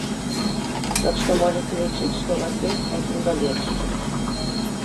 Так што, можаце лічыць, што ў вас ёсць адзін балельшчык.